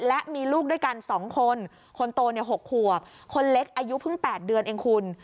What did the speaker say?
และมีลูกด้วยกัน๒คนคนโต๖ขวบคนเล็กอายุเพิ่ง๘เดือนเองคุณ